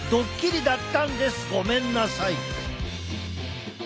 ごめんなさい！